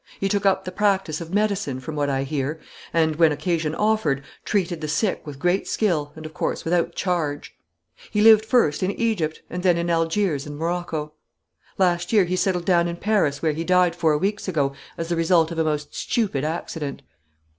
He took up the practise of medicine, from what I hear, and, when occasion offered, treated the sick with great skill and, of course, without charge. He lived first in Egypt and then in Algiers and Morocco. Last year he settled down in Paris, where he died four weeks ago as the result of a most stupid accident."